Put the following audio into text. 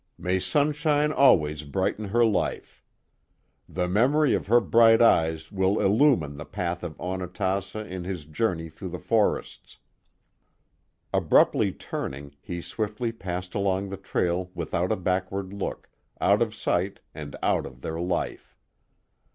May sunshine always brighten her life. The memory of her bright eyes will illumine the path of Onatassa in his journey through the forests." Abruptly turning, he swiftly passed along the trail without a backward look, out of sight and out of their life.